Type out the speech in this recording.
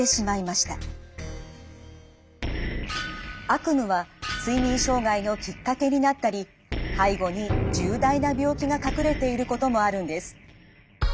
悪夢は睡眠障害のきっかけになったり背後に重大な病気が隠れていることもあるんです。